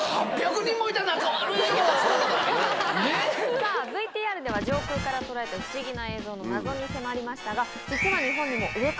さぁＶＴＲでは上空から捉えた不思議な映像の謎に迫りましたが実は。